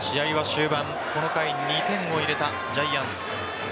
試合は終盤この回２点を入れたジャイアンツ。